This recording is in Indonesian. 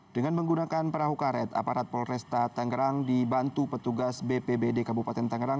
dengan menggunakan perahu karet aparat polresta tangerang dibantu petugas bpbd kabupaten tangerang